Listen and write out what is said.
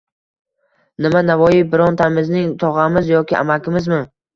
Nima, Navoiy birontamizning tog‘amiz yoki amakimizmi?